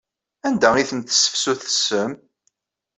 Anda ay ten-tesseftutsem?